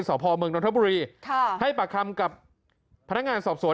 สพมดนทบุรีให้ปากคำกับพนักงานสอบสวน